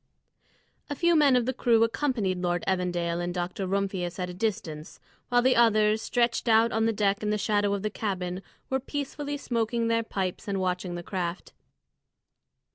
A few men of the crew accompanied Lord Evandale and Dr. Rumphius at a distance, while the others, stretched out on the deck in the shadow of the cabin, were peacefully smoking their pipes and watching the craft.